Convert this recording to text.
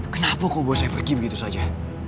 kenapa kau bawa saya pergi begitu saja